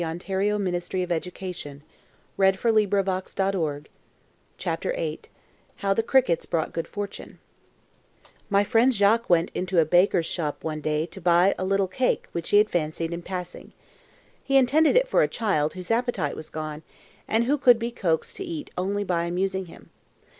ROBERTS [Illustration: ALEXANDRA THE QUEEN MOTHER] HOW THE CRICKETS BROUGHT GOOD FORTUNE My friend Jacques went into a baker's shop one day to buy a little cake which he had fancied in passing. He intended it for a child whose appetite was gone, and who could be coaxed to eat only by amusing him.